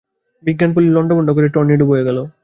বিজ্ঞান পল্লী লণ্ডভণ্ড করে টর্নেডো বয়ে গেল।